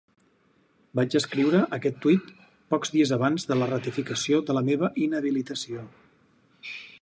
Vaig escriure aquest tuit pocs dies abans de la ratificació de la meva inhabilitació.